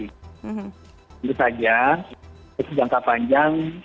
tentu saja itu jangka panjang